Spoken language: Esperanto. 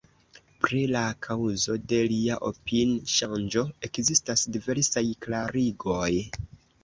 Pri la kaŭzo de lia opini-ŝanĝo ekzistas diversaj klarigoj.